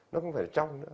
nó không phải trong nữa